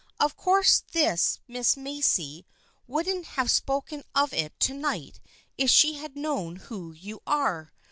Of course this Miss Macy wouldn't have spoken of it to night if she had known who you are.